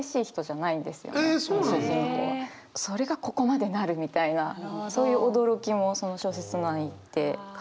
それがここまでなるみたいなそういう驚きもその小説の感じますかね。